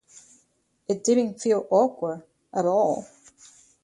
It didn't feel awkward at all.